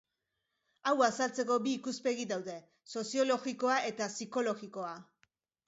Hau azaltzeko bi ikuspegi daude: Soziologikoa eta Psikologikoa.